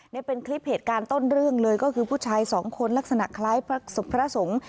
นี่เป็นคลิปเหตุการณ์ต้นเรื่องเลยก็คือผู้ชายสองคนลักษณะคล้ายพระสงฆ์